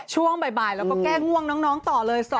ช่วงบ่ายแล้วก็แก้ง่วงน้องต่อเลย